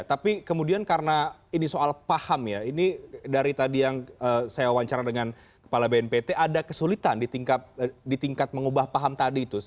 tapi kemudian karena ini soal paham ya ini dari tadi yang saya wawancara dengan kepala bnpt ada kesulitan di tingkat mengubah paham tadi itu